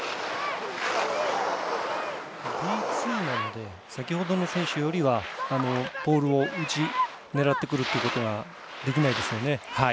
Ｂ２なので先ほどの選手よりはポールの内を狙ってくるということができないですね。